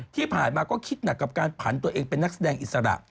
ที่ผ่านมาก็คิดหนักกับการผันตัวเองเป็นนักแสดงอิสระ